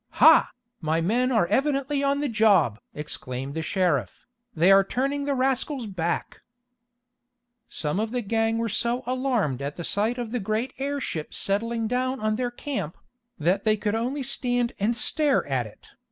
"Ha! My men are evidently on the job!" exclaimed the sheriff. "They are turning the rascals back!" Some of the gang were so alarmed at the sight of the great airship settling down on their camp, that they could only stand and stare at it.